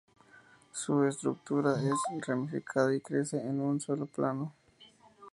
Su estructura es ramificada y crece en un sólo plano.